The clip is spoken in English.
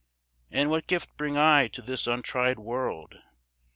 And what gift bring I to this untried world?